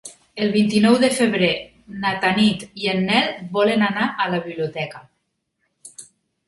El vint-i-nou de febrer na Tanit i en Nel volen anar a la biblioteca.